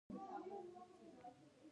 د ملي موزیم ټکټ څو دی؟